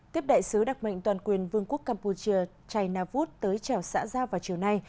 tiếp đại sứ đặc mệnh toàn quyền vương quốc campuchia chai navut tới trèo xã giao vào chiều nay